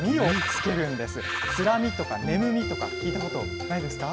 つらみとか、ねむみとか、聞いたことないですか？